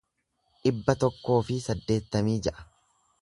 dhibba tokkoo fi saddeettamii ja'a